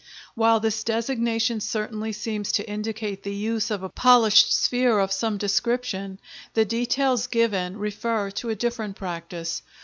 While this designation certainly seems to indicate the use of a polished sphere of some description, the details given refer to a different practice.